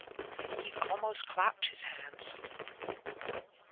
He almost clapped his hands.